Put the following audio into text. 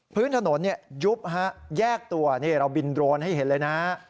พื้นถนนยุบฮะแยกตัวนี่เราบินโดรนให้เห็นเลยนะ